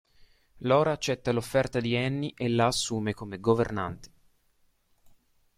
Lora accetta l'offerta di Annie e la assume come governante.